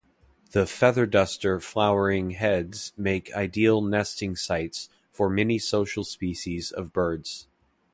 The "feather-duster" flowering heads make ideal nesting sites for many social species of birds.